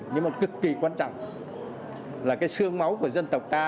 nhưng mà cực kỳ quan trọng là sương máu của dân tộc ta